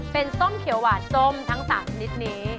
เป็นส้มเขียวหวานส้มทั้ง๓ชนิดนี้